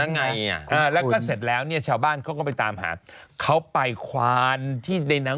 สนุนโดยอีซูซูดีแมคบลูพาวเวอร์นวัตกรรมเปลี่ยนโลก